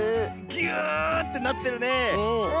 ぎゅってなってるねえ。